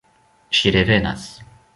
Ŝi revenas.